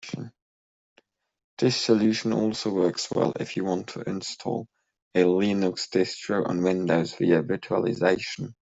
This solution also works well if you want to install a Linux distro on Windows via virtualization.